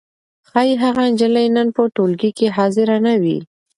ښايي هغه نجلۍ نن په ټولګي کې حاضره نه وي.